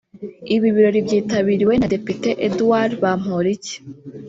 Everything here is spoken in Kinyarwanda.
Ibi birori byitabiriwe na Depite Édouard Bamporiki